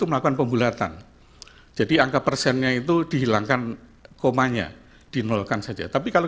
melakukan pembulatan jadi angka persennya itu dihilangkan komanya dinolkan saja tapi kalau